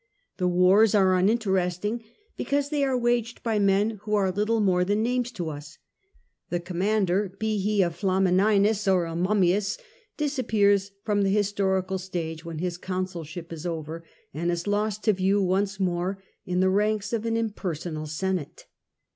The wars are uninteresting, because they are waged by men who are little more than names to us ; the commander, b© he a Plamininus or a Miimmius, disappears from the historical stage when his consulship is over, and is lost to view once more in the ranks of an impersonal senate.